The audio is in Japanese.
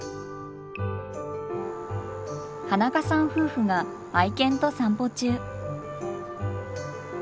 花香さん夫婦が愛犬と散歩中。